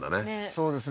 そうですね